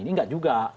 ini enggak juga